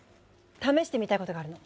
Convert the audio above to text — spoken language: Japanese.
試してみたいことがあるの。